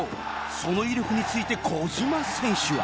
その威力について小島選手は